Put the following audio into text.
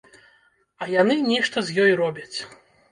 А яны нешта з ёй робяць!